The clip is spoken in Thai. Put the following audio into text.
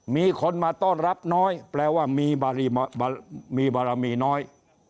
มีคนมาต้อนรับน้อยแปลว่ามีบารมีน้อย